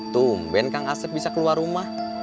tum ben kang asep bisa keluar rumah